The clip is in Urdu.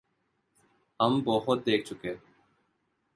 ہم بہت دیکھ چکے۔